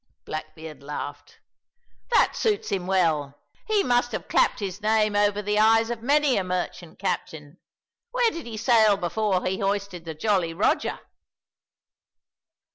Blackbeard laughed. "That suits him well; he must have clapped his name over the eyes of many a merchant captain! Where did he sail before he hoisted the Jolly Roger?"